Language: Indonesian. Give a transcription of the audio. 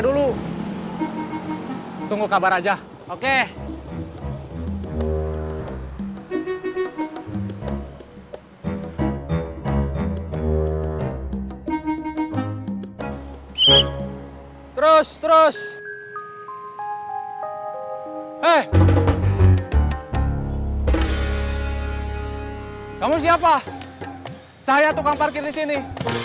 tunggu tunggu kabar aja oke terus terus hai eh kamu siapa saya tukang parkir di sini